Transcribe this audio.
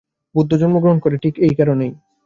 বুদ্ধ জন্মগ্রহণ করেন ঠিক এই সময়েই।